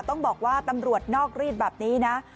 ต้องบอกว่าตำรวจนอกรีดแบบนี้นะ